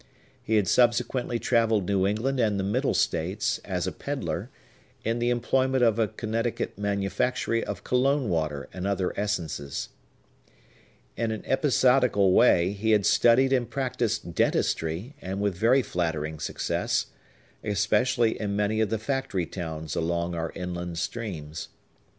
He had subsequently travelled New England and the Middle States, as a peddler, in the employment of a Connecticut manufactory of cologne water and other essences. In an episodical way he had studied and practised dentistry, and with very flattering success, especially in many of the factory towns along our inland streams.